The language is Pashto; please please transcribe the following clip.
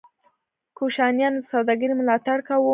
کوشانیانو د سوداګرۍ ملاتړ کاوه